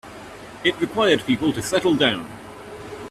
It required people to settle down.